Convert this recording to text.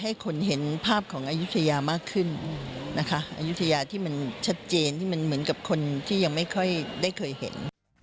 อายุทยาที่มันชัดเจนที่มันเหมือนกับคนที่ยังไม่ค่อยได้เคยเห็น